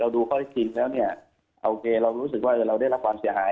เราดูค่อยจริงนะครับโอเคเรารู้สึกว่าเราได้รักความเสียหาย